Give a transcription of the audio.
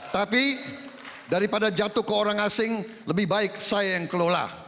tapi daripada jatuh ke orang asing lebih baik saya yang kelola